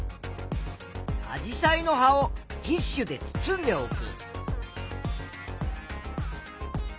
アジサイの葉をティッシュで包んでおく。